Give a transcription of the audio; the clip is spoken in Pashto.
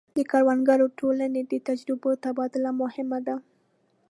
د کروندګرو ټولنې د تجربو تبادله مهمه ده.